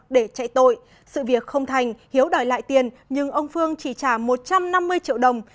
để chạy tội sự việc không thành hiếu đòi lại tiền nhưng ông phương chỉ trả một trăm năm mươi triệu đồng